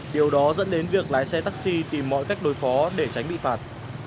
điều đó dẫn đến việc lái xe taxi tìm mọi cách đối phó để tránh bị phạt